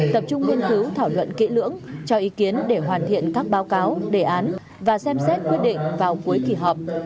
tập trung nghiên cứu thảo luận kỹ lưỡng cho ý kiến để hoàn thiện các báo cáo đề án và xem xét quyết định vào cuối kỳ họp